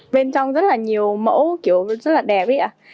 bên trong rất là nhiều mẫu kiểu rất là đẹp ý ạ